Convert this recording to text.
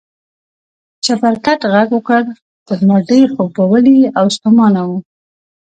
چپرکټ غږ وکړ، تر ما ډېر خوبولی او ستومانه و.